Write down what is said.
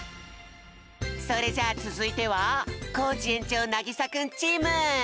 それじゃあつづいてはコージ園長なぎさくんチーム！